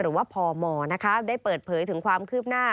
หรือว่าพมได้เปิดเผยถึงความคืบหน้า